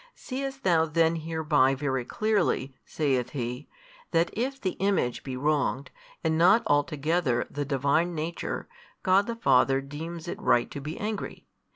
Seest thou then hereby very clearly (saith he) that if the Image be wronged, and not altogether the Divine Nature, God the Father deems it right to be angry?